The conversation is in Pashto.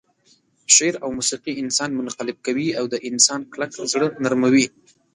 شعر او موسيقي انسان منقلب کوي او د انسان کلک زړه نرموي.